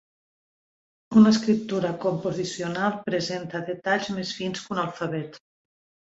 Una escriptura composicional presenta detalls més fins que un alfabet.